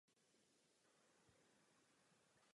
Příroda se stala trvalým zdrojem jeho inspirace.